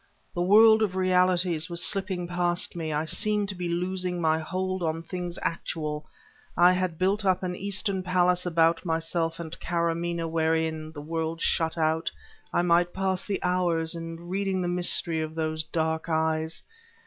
The world of realities was slipping past me; I seemed to be losing my hold on things actual; I had built up an Eastern palace about myself and Karamaneh wherein, the world shut out, I might pass the hours in reading the mystery of those dark eyes.